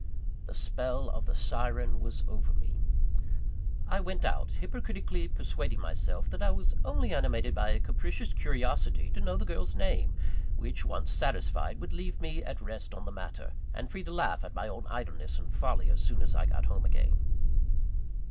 The spell of the syren was over me. I went out, hypocritically persuading myself, that I was only animated by a capricious curiosity to know the girl's name, which once satisfied, would leave me at rest on the matter, and free to laugh at my own idleness and folly as soon as I got home again.